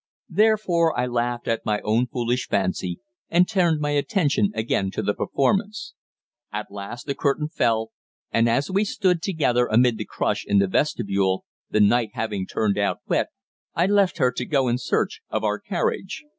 Therefore I laughed at my own foolish fancy, and turned my attention again to the performance. At last the curtain fell, and as we stood together amid the crush in the vestibule, the night having turned out wet, I left her, to go in search of our carriage.